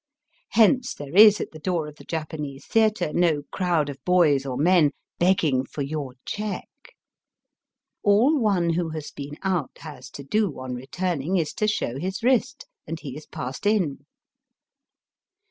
Hence there is at the door of the Japanese theatre no crowd of boys or men begging for ^^your check." All one who has been out has to do on returning is to show his wrist, and he is passed in.